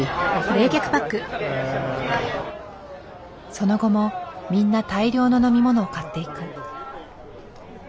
その後もみんな大量の飲み物を買っていく。